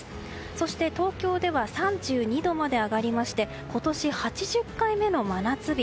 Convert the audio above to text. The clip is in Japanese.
そして東京では３２度まで上がりまして今年８０回目の真夏日。